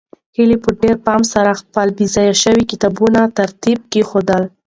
هیلې په ډېر پام سره خپل بې ځایه شوي کتابونه په ترتیب کېښودل.